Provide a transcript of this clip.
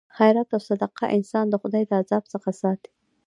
خیرات او صدقه انسان د خدای د عذاب څخه ساتي.